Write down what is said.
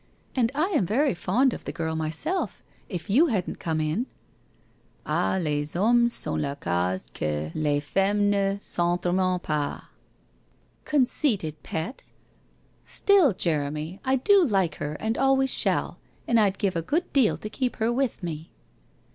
And I am very fond of the girl myself, if you hadn't come in.' 'Ah, les hommeg sont la cause que les femmes ne s'entr'aiment pas! *( Conceited pet ! Still, Jeremy, I do like her and al ways shall, and I'd give a good deal to keep her with me.'